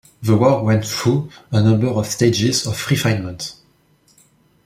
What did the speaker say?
The work went through a number of stages of refinement.